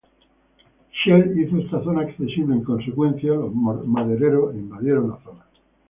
Shell hizo esta zona accesible y en consecuencia los madereros invadieron la zona.